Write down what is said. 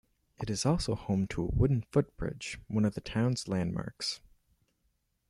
It is also home to a wooden foot bridge, one of the towns landmarks.